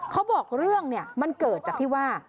เขาบอกเรื่องเนี่ยมันเกิดจากที่ว่า